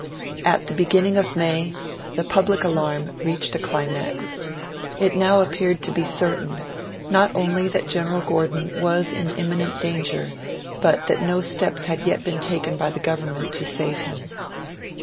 At the beginning of May, the public alarm reached a climax. It now appeared to be certain, not only that General Gordon was in imminent danger, but that no steps had yet been taken by the Government to save him.